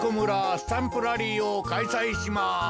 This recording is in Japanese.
スタンプラリーをかいさいします！